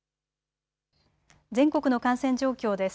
全国の感染状況です。